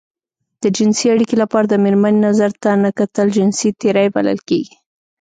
د جنسي اړيکې لپاره د مېرمنې نظر ته نه کتل جنسي تېری بلل کېږي.